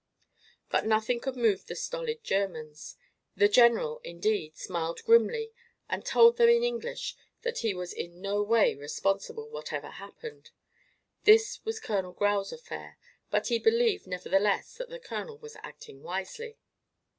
But nothing could move the stolid Germans. The general, indeed, smiled grimly and told them in English that he was in no way responsible, whatever happened. This was Colonel Grau's affair, but he believed, nevertheless, that the colonel was acting wisely.